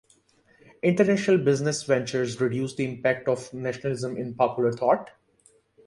International business ventures reduced the impact of nationalism in popular thought.